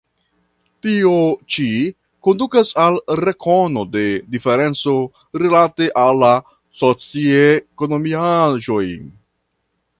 Tio ĉi kondukas al rekono de diferenco rilate al la soci-ekonomiaĵoj.